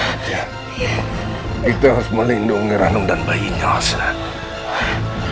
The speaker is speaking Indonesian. kita harus melindungi ranum dan bayinya aslan